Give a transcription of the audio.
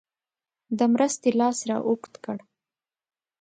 د مرستې لاس را اوږد کړي.